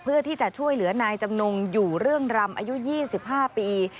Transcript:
เพื่อที่จะช่วยเหลือนายจำนงอยู่เรื่องรำอายุ๒๕ปี